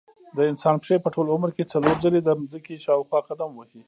د انسان پښې په ټول عمر کې څلور ځلې د ځمکې شاوخوا قدم وهي.